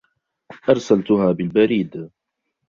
أرسلتها بالبريد.